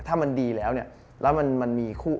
ถ้ามันดีแล้วแล้วมันมีคู่